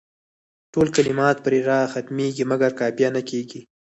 ټول کلمات پر راء ختمیږي مګر قافیه نه کیږي.